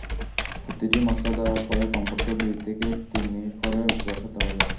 প্রতিটি মসলা দেওয়ার পরে কমপক্ষে দুই থেকে তিন মিনিট করে কষাতে হবে।